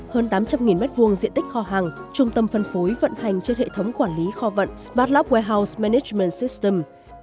hơn tám trăm linh m hai diện tích kho hàng trung tâm phân phối vận hành trên hệ thống quản lý kho vận smartlock wehuse menitmond system